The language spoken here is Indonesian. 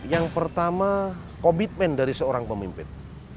yang pertama komitmen dari seorang pemimpin